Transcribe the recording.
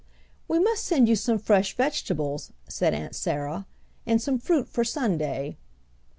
"We must send you some fresh vegetables," said Aunt Sarah, "and some fruit for Sunday."